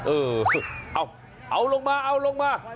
เออเอาลงมาเอาลงมา